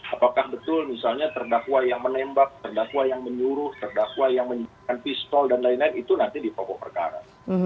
apakah betul misalnya terdakwa yang menembak terdakwa yang menyuruh terdakwa yang menyebabkan pistol dan lain lain itu nanti di pokok perkara